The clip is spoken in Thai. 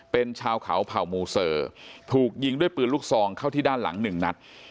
เป็นชาวเขาเผ่ามูเซอร์ถูกยิงด้วยปืนลูกซองเข้าที่ด้านหลังหนึ่งนัด